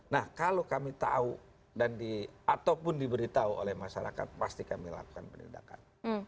nah kalau kami tahu ataupun diberitahu oleh masyarakat pasti kami lakukan penindakan